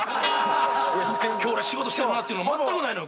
今日俺仕事したよなっていうの全くないのよ